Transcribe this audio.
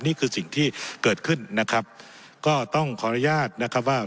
นี่คือสิ่งที่เกิดขึ้นนะครับก็ต้องขออนุญาตนะครับว่า